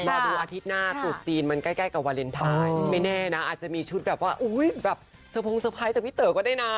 รอดูอาทิตย์หน้าตูดจีนมันใกล้กับวาเลนไทยไม่แน่นะอาจจะมีชุดแบบว่าแบบเตอร์พงเตอร์ไพรส์จากพี่เต๋อก็ได้นะ